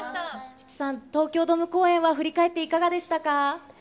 チッチさん、東京ドーム公演は振り返っていかがでしたか？